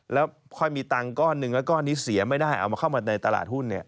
แล้วค่อยมีตังค์ก้อนหนึ่งแล้วก้อนนี้เสียไม่ได้เอามาเข้ามาในตลาดหุ้น